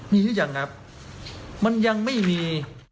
มีหรือยังครับมันยังไม่มี